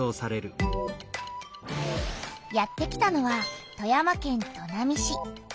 やって来たのは富山県砺波市。